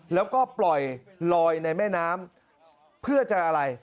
แล้วก็ปล่อยลอยในแม่น้ำเพื่อจะอะไร